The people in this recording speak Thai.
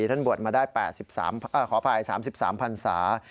ท่านบวชมาได้ขออภัย๓๓พันศา